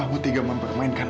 ya bisa demi dijebel